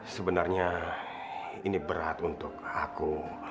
sebenarnya ini berat untuk aku